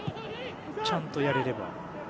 ちゃんとやれれば。